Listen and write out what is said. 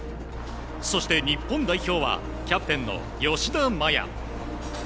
そして日本代表はキャプテンの吉田麻也。